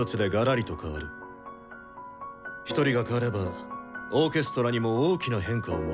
一人が変わればオーケストラにも大きな変化をもたらすだろう。